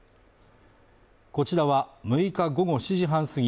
こちらは６日午後７時半過ぎ